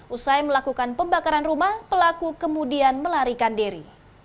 usai melakukan pembakaran rumah pelaku kemudian melarikan diri